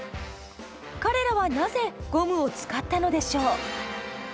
彼らはなぜゴムを使ったのでしょう？